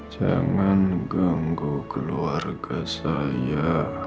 jangan ganggu keluarga saya